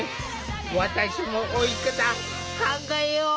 私も老い方考えよう。